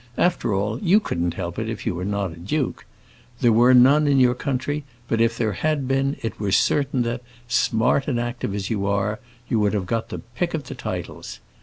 After all, you couldn't help it if you were not a duke. There were none in your country; but if there had been, it was certain that, smart and active as you are, you would have got the pick of the titles.